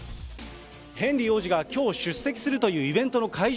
ヘンリー王子がきょう出席するというイベントの会場